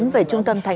về trung tâm thái lan